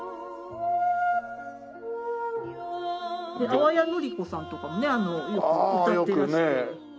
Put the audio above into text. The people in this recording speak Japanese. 淡谷のり子さんとかもねよく歌ってらして。